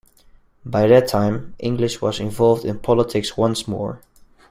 By that time, English was involved in politics once more.